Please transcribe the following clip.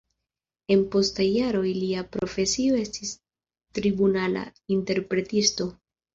En postaj jaroj lia profesio estis tribunala interpretisto.